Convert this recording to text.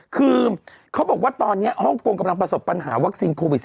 คือเขาบอกว่าตอนนี้ฮ่องกงกำลังประสบปัญหาวัคซีนโควิด๑๙